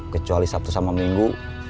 kecuali sabtu sama minggu